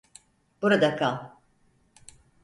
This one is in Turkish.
Burada kal.